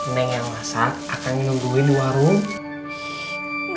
neng yang masak akan menungguin warung